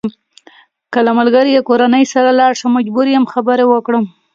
که له ملګري یا کورنۍ سره لاړ شم مجبور یم خبرې وکړم.